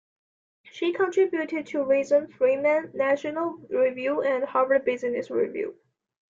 He contributed to "Reason", "Freeman", "National Review", and "Harvard Business Review".